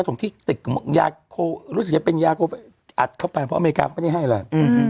ตรงที่เป็นยาโคอัสเข้าไปเพราะอเมริกาเขาไม่ได้ให้เลย